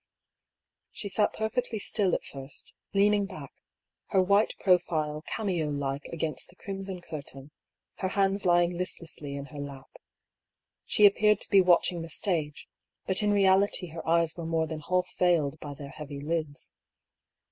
She sat perfectly still at first, leaning back, her white profile cameo like against the crimson curtain, her hands lying listlessly in her lap. She appeared to be watching the stage, but in reality her eyes were more than half veiled by their heavy lids.